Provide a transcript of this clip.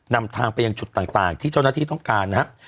นำทางไปยังจุดต่างที่เจ้าหน้าที่ต้องการนะครับ